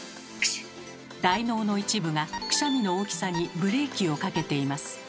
大脳の一部がくしゃみの大きさにブレーキをかけています。